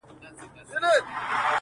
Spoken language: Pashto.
ځاله د زمرو سوه په نصیب د سورلنډیو؛